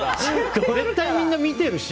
絶対みんな見てるし。